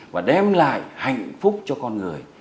và đem lại hạnh phúc cho con người